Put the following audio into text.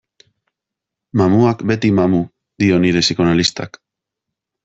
Mamuak beti mamu, dio nire psikoanalistak.